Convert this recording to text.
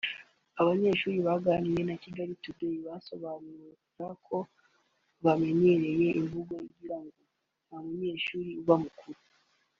Abanyeshuri baganiriye na Kigali today basobanura ko bamenyereye imvugo ivuga ngo ”Nta munyeshuri uba mukuru”